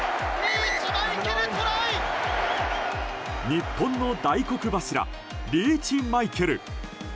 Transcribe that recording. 日本の大黒柱リーチマイケル。